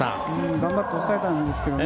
頑張って抑えたんですけどね。